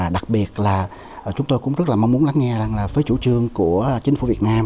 đặc biệt là chúng tôi cũng rất là mong muốn lắng nghe với chủ trương của chính phủ việt nam